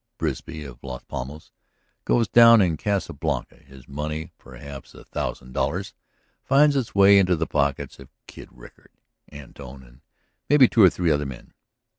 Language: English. Bisbee, of Las Palmas, goes down in the Casa Blanca; his money, perhaps a thousand dollars, finds its way into the pockets of Kid Rickard, Antone, and maybe another two or three men.